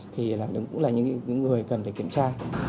thì cũng là những người cần phải kiểm tra